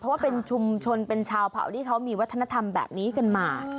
เพราะว่าเป็นชุมชนเป็นชาวเผาที่เขามีวัฒนธรรมแบบนี้กันมา